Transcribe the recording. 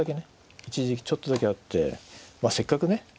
一時期ちょっとだけあってせっかくね